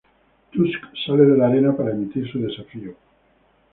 Tusk sale de la arena para emitir su desafío.